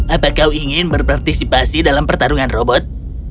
apa kau ingin berpartisipasi dalam pertarungan robot